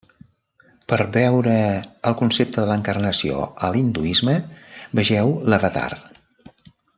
Per veure el concepte de l'encarnació a l'Hinduisme, vegeu l'avatar.